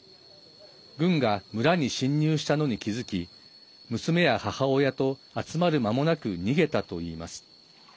軍が村に侵入したのに気付き娘や母親と集まる間もなく逃げたといいます。